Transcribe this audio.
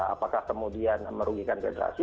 apakah kemudian merugikan federasi